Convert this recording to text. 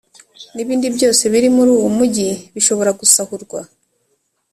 n’ibindi byose biri muri uwo mugi bishobora gusahurwa,